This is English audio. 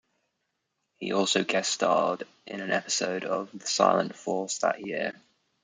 He also guest-starred in an episode of "The Silent Force" that year.